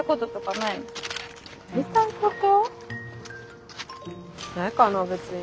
ないかな別に。